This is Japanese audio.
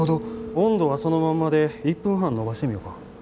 温度はそのままで１分半延ばしてみよか。